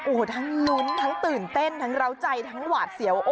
โอ้โหทั้งลุ้นทั้งตื่นเต้นทั้งเล้าใจทั้งหวาดเสียว